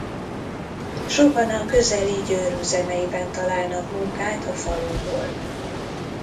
Sokan a közeli Győr üzemeiben találnak munkát a faluból.